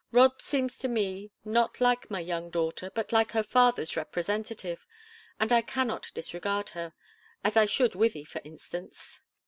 Rob seems to me not like my young daughter, but like her father's representative, and I cannot disregard her, as I should Wythie, for instance."